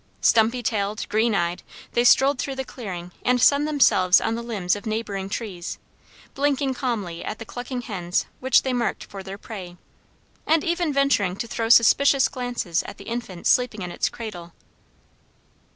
Stumpy tailed, green eyed, they strolled through the clearing and sunned themselves on the limbs of neighboring trees, blinking calmly at the clucking hens which they marked for their prey, and even venturing to throw suspicious glances at the infant sleeping in its cradle.